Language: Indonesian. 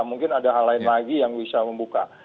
mungkin ada hal lain lagi yang bisa membuka